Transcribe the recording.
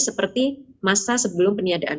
seperti masa sebelum peniadaan